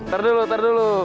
tunggu dulu tunggu dulu